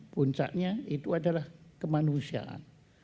puncaknya itu adalah kemanusiaan